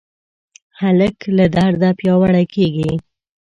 هلک له درده پیاوړی کېږي.